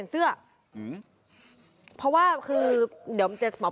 เมื่อวานนี้มาขินแล้ว